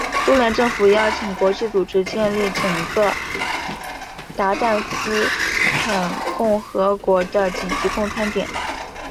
苏联政府邀请国际组织建立整个鞑靼斯坦共和国的紧急供餐点。